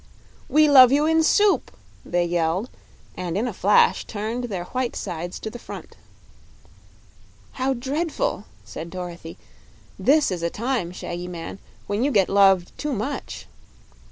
"We love you in soup!" they yelled, and in a flash turned their white sides to the front. "How dreadful!" said Dorothy. "This is a time, Shaggy Man, when you get loved too much."